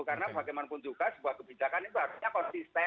karena bagaimanapun juga sebuah kebijakan itu harusnya konsisten